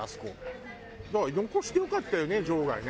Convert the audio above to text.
だから残してよかったよね場外ね。